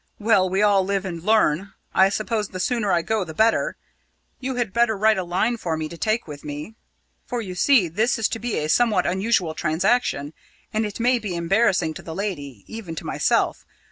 Well, we all live and learn. I suppose the sooner I go the better. You had better write a line for me to take with me. For, you see, this is to be a somewhat unusual transaction, and it may be embarrassing to the lady, even to myself.